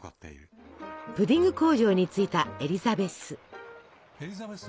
プディング工場に着いたエリザベス。